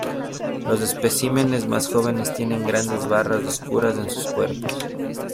Los especímenes más jóvenes tienen grandes barras oscuras en sus cuerpos.